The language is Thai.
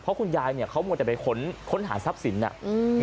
เพราะคุณยายเนี่ยเขามัวแต่ไปค้นค้นหาทรัพย์สินอ่ะอืม